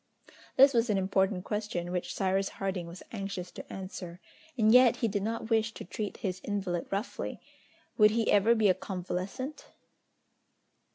This was an important question, which Cyrus Harding was anxious to answer, and yet he did not wish to treat his invalid roughly! would he ever be a convalescent?